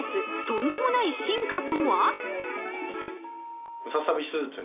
とんでもない進化とは？